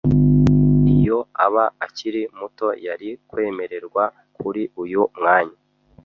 Iyo aba akiri muto, yari kwemererwa kuri uyu mwanya.